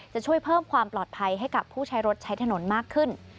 จะช่วยเพิ่มความปลอดภัยให้กับผู้ใช้รถใช้ถนนมากขึ้น